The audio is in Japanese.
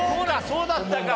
そうだったか。